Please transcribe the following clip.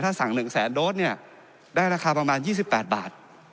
ถ้าสั่งหนึ่งแสนโดสเนี่ยได้ราคาประมาณยี่สิบแปดบาท